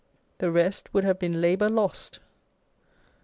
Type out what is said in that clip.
The rest would have been labour lost.